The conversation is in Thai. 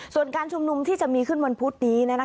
ส่วนการชุมนุมที่จะมีขึ้นวันพุธนี้